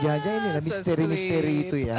jajan ini lah misteri misteri itu ya